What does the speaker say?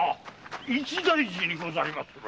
一大事でございます。